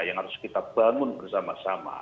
yang harus kita bangun bersama sama